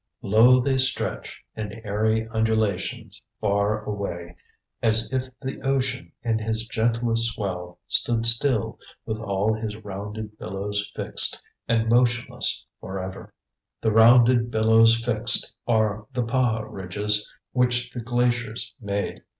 _"Lo they stretch In airy undulations, far away, As if the ocean, in his gentlest swell Stood still, with all his rounded billows fixed, And motionless, forever."_ The "rounded billows fixed" are the paha ridges which the glaciers made.